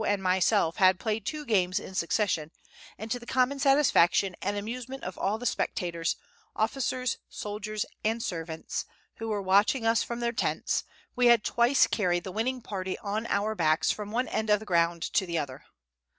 and myself had played two games in succession; and to the common satisfaction and amusement of all the spectators, officers, soldiers, and servants [Footnote: Denshchiki ] who were watching us from their tents, we had twice carried the winning party on our backs from one end of the ground to the other.